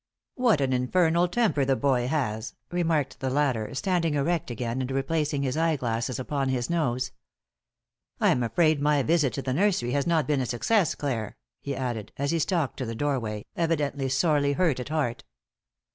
"What an infernal temper the boy has," remarked the latter, standing erect again and replacing his eye glasses upon his nose. "I'm afraid my visit to the nursery has not been a success, Clare," he added, as he stalked to the doorway, evidently sorely hurt at heart.